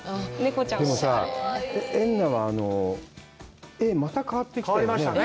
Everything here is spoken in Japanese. でもさ、エンナは、絵がまた変わってきたよね。